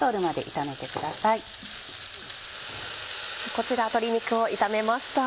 こちら鶏肉を炒めました。